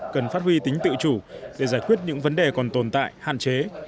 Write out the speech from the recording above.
cần phát huy tính tự chủ để giải quyết những vấn đề còn tồn tại hạn chế